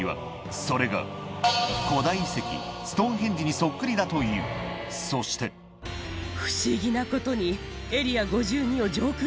それが古代遺跡ストーンヘンジにそっくりだというそしてそれがこちらです。